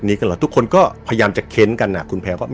หนีกำลังยก็พยายามจะเค้นกันน่ะคุณแพลก็นม